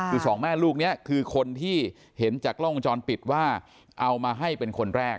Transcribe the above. คือสองแม่ลูกนี้คือคนที่เห็นจากกล้องวงจรปิดว่าเอามาให้เป็นคนแรก